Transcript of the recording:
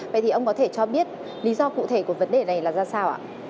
vậy thì ông có thể cho biết lý do cụ thể của vấn đề này là ra sao ạ